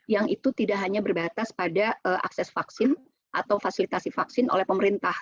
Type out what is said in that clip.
yang itu tidak hanya berbatas pada akses vaksin atau fasilitasi vaksin oleh pemerintah